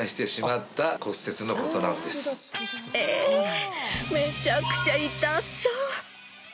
えめちゃくちゃ痛そう！